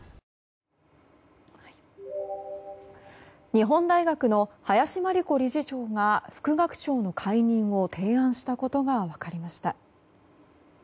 日本大学の林真理子理事長が副学長の解任を提案したことが分かりました。